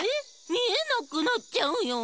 みえなくなっちゃうよ。